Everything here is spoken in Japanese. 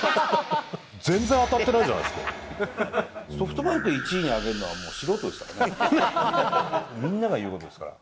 全然当たってないじゃないでソフトバンク１位に挙げるのは、もう素人ですからね。